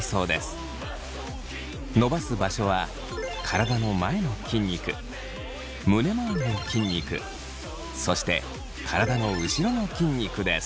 伸ばす場所は体の前の筋肉胸まわりの筋肉そして体の後ろの筋肉です。